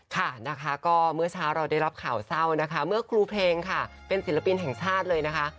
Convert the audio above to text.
ค่ะนะคะก็เมื่อเช้าเราได้รับข่าวเศร้านะคะเมื่อครูเพลงค่ะเป็นศิลปินแห่งชาติเลยนะคะ